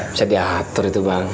bisa diatur itu bang